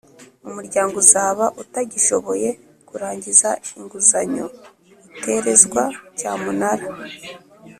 Umuryango uzaba utagishoboye kurangiza inguzanyo uterezwa cyamunara